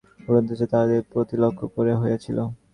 কহিল, আকাশে এক ঝাঁক বক উড়িতেছিল, তাহাদেরই প্রতি লক্ষ করা হইয়াছিল।